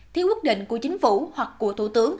theo quyết định của chính phủ hoặc của thủ tướng